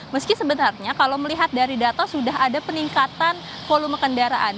meski sebenarnya kalau melihat dari data sudah ada peningkatan volume kendaraan